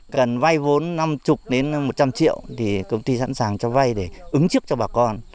cần vay vốn năm mươi đến một trăm linh triệu thì công ty sẵn sàng cho vay để ứng trước cho bà con